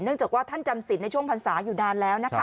จากว่าท่านจำสินในช่วงพรรษาอยู่นานแล้วนะคะ